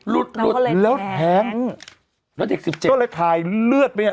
หลุดหลุดแล้วแท้งแล้วเด็กสิบเจ็ดก็เลยถ่ายเลือดไปเนี่ย